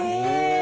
え！